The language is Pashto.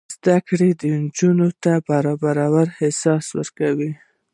زده کړه نجونو ته د برابرۍ احساس ورکوي.